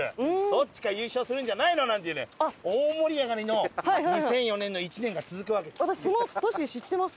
どっちか優勝するんじゃないの？なんていうね大盛り上がりの２００４年の１年が続くわけです。